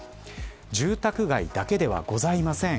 住宅街だけではございません。